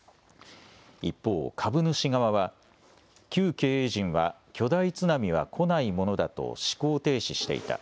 一方、株主側は旧経営陣は巨大津波は来ないものだと思考停止していた。